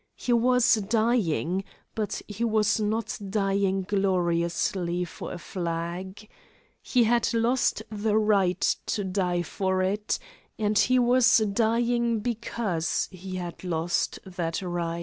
He was dying, but he was not dying gloriously for a flag. He had lost the right to die for it, and he was dying because he had lost that right.